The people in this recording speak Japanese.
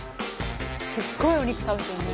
すっごいお肉食べてるね。